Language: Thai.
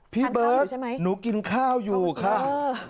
พี่เบิร์ตหนูกินข้าวอยู่ค่ะ